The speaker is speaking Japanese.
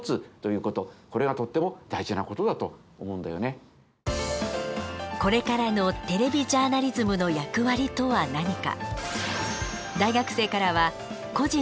こんなにこれからのテレビジャーナリズムの役割とは何か。